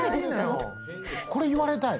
これ言われたい？